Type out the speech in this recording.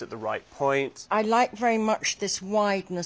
はい。